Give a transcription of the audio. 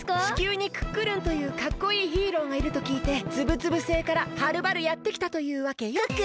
地球にクックルンというかっこいいヒーローがいるときいてつぶつぶ星からはるばるやってきたというわけよ！